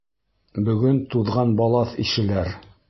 Бөгөн туҙған балаҫ ишеләр.